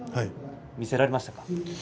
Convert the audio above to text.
見せられましたか？